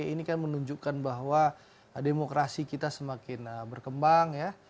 ini kan menunjukkan bahwa demokrasi kita semakin berkembang ya